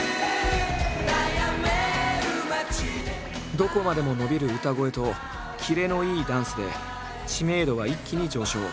どこまでも伸びる歌声と切れのいいダンスで知名度は一気に上昇。